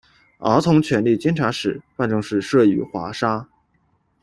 儿童权利监察使办公室设于华沙。